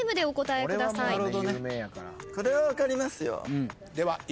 お答えください。